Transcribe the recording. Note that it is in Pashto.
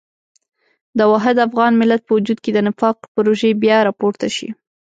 د واحد افغان ملت په وجود کې د نفاق پروژې بیا راپورته شي.